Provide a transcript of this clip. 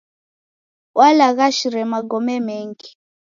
Walaghashire magome mengi.